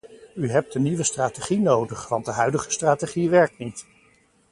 U hebt een nieuwe strategie nodig, want de huidige strategie werkt niet.